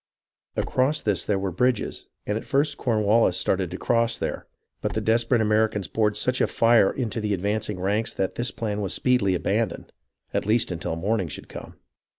Across this there were bridges, and at first Cornwallis started to cross there ; but the desperate Americans poured such a fire into the advancing ranks that this plan was speedily abandoned, at least until morning should come.